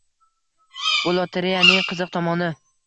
Bu lotoreyaning qiziq tomoni